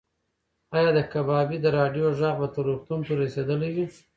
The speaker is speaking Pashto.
ایا د کبابي د راډیو غږ به تر روغتونه پورې رسېدلی وي؟